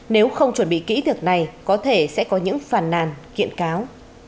nếu không chuẩn bị kỹ tiệc này có thể sẽ có những phản nàn kiện cáo